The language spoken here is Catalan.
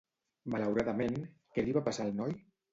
Malauradament, què li va passar al noi?